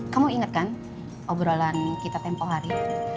kamu inget kan obrolan kita tempoh hari